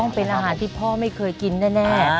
เป็นอาหารที่พ่อไม่เคยกินแน่